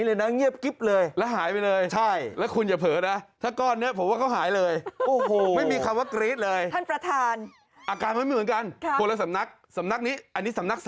มันแน่นแล้วมันมีปริมาณมาก